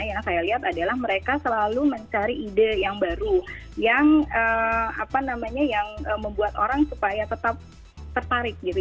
yang saya lihat adalah mereka selalu mencari ide yang baru yang membuat orang supaya tetap tertarik gitu